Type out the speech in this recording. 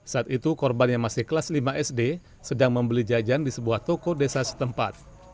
saat itu korban yang masih kelas lima sd sedang membeli jajan di sebuah toko desa setempat